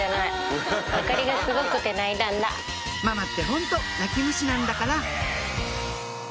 「ママってホント泣き虫なんだから」